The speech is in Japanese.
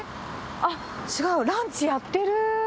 あっ、違う、ランチやってる。